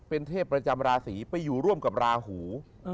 เป็นเทพประจำราศีไปอยู่ร่วมกับราหู